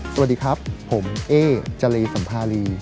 สวัสดีครับผมเอ๊จรีสัมภารี